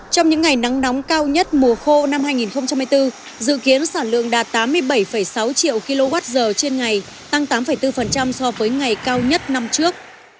trong những ngày nắng nóng cao nhất mùa khô năm hai nghìn hai mươi bốn dự kiến sản lượng đạt tám mươi bảy sáu triệu kwh trên ngày tăng tám bốn so với ngày cao nhất năm trước